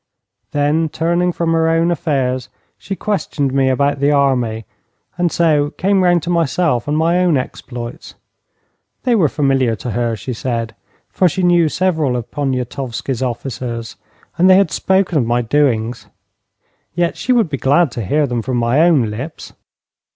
Then turning from her own affairs she questioned me about the army, and so came round to myself and my own exploits. They were familiar to her, she said, for she knew several of Poniatowski's officers, and they had spoken of my doings. Yet she would be glad to hear them from my own lips.